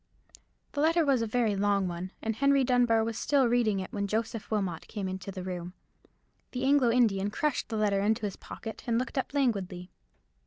The letter was a very long one, and Henry Dunbar was still reading it when Joseph Wilmot came into the room. The Anglo Indian crushed the letter into his pocket, and looked up languidly.